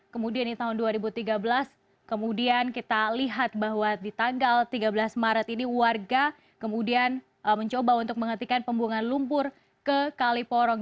kemudian di tahun dua ribu tiga belas kemudian kita lihat bahwa di tanggal tiga belas maret ini warga kemudian mencoba untuk menghentikan pembuangan lumpur ke kali porong